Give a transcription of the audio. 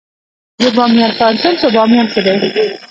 د بامیان پوهنتون په بامیان کې دی